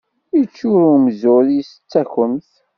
Yeččur umzur-is d takemt.